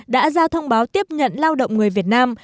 đã ra thông báo tiếp nhận lao động người việt nam